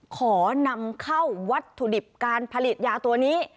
ขอนำเข้าวัตถุดิบการผลิตยาตัวนี้